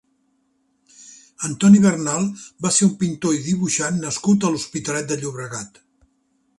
Antonio Bernal va ser un pintor i dibuixant nascut a l'Hospitalet de Llobregat.